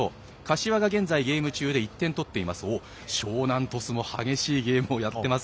柏が現在、ゲーム中で１点取っています。